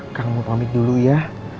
akang mau pamit dulu ya